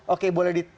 oke boleh di